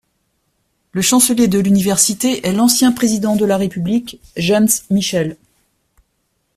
Le chancelier de l'université est l'ancien président de la république, James Michel.